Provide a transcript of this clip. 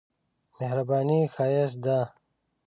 مهرباني ښايست ده.